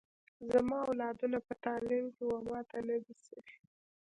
زما اولادونه په تعلیم کي و ماته نه دي سوي